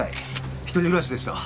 一人暮らしでした。